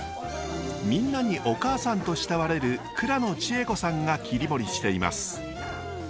みんなにお母さんと慕われる蔵野千恵子さんが切り盛りしています。